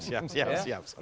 siap siap siap